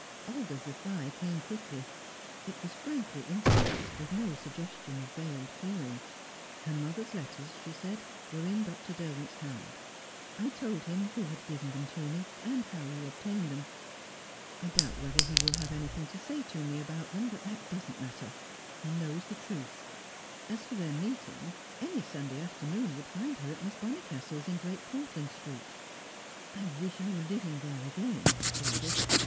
Olga's reply came quickly; it was frankly intimate, with no suggestion of veiled feeling. Her mother's letters, she said, were in Dr. Derwent's hands. "I told him who had given them to me, and how you obtained them. I doubt whether he will have anything to say to me about them, but that doesn't matter; he knows the truth." As for their meeting, any Sunday afternoon he would find her at Miss Bonnicastle's, in Great Portland Street. "I wish I were living there again," she added.